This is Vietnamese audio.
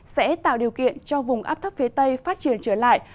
sẽ tạo điều kiện cho vùng áp thấp phía tây phát triển trở lại